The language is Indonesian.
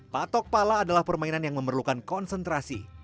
patok pala adalah permainan yang memerlukan konsentrasi